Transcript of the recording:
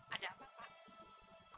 ada apa pak